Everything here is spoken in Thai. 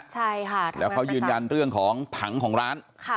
ใช่ค่ะแล้วเขายืนยันเรื่องของผังของร้าน